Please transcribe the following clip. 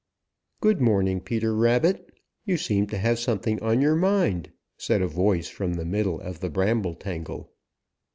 "Good morning, Peter Rabbit. You seem to have something on your mind," said a voice from the middle of the bramble tangle.